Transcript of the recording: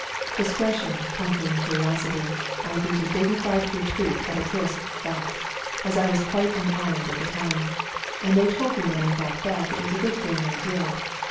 Discretion conquering curiosity, I beat a dignified retreat at a brisk walk, as I was quite unarmed at the time, and they told me when I got back it was a good thing I did.